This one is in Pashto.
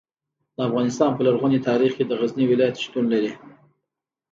د افغانستان په لرغوني تاریخ کې د غزني ولایت شتون لري.